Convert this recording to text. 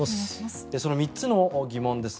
その３つの疑問